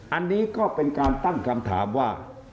อันนี้ก็เป็นการตั้งคำถามว่า